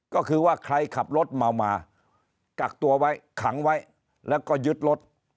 ก็คือว่าใครขับรถเมามากักตัวไว้ขังไว้แล้วก็ยึดรถ